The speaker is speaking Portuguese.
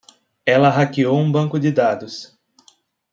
Ela hackeou um banco de dados.